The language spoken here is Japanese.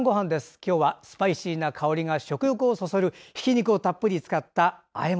今日はスパイシーな香りが食欲をそそるひき肉をたっぷりつかったあえ物。